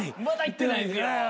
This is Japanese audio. まだ行ってないんですよ。